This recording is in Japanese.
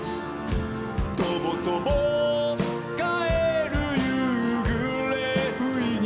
「とぼとぼかえるゆうぐれふいに」